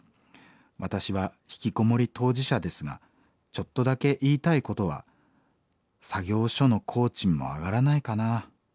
私はひきこもり当事者ですがちょっとだけ言いたいことは作業所の工賃も上がらないかな。